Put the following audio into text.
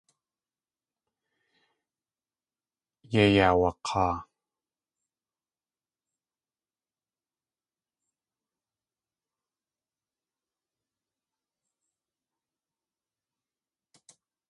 Yéi yaawak̲aa.